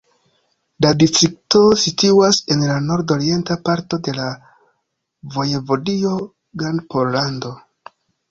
La distrikto situas en la nord-orienta parto de la vojevodio Grandpollando.